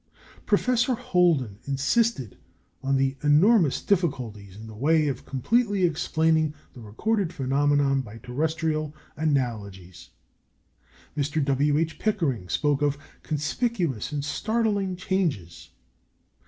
Professor Holden insisted on the "enormous difficulties in the way of completely explaining the recorded phenomena by terrestrial analogies"; Mr. W. H. Pickering spoke of "conspicuous and startling changes."